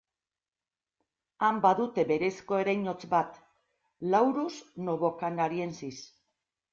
Han badute berezko ereinotz bat, Laurus novocanariensis.